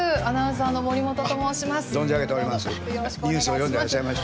存じ上げております。